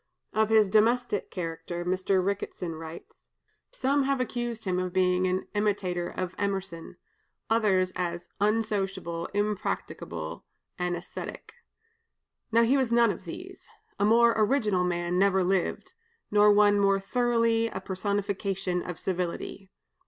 Of his domestic character Mr. Ricketson writes: "Some have accused him of being an imitator of Emerson, others as unsocial, impracticable, and ascetic. Now, he was none of these. A more original man never lived, nor one more thoroughly a personification of civility.